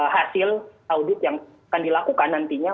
hasil audit yang akan dilakukan nantinya